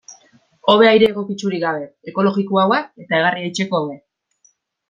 Hobe aire egokiturik gabe, ekologikoago eta egarria egiteko hobe.